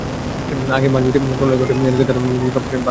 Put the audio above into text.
আগে মাছভর্তি ট্রলার ঘাটে এলে মজুরির সঙ্গে তাঁরা খাবারের মাছ পেতেন।